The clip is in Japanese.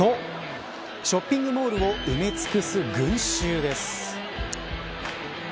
ショッピングモールを埋め尽くす群衆です。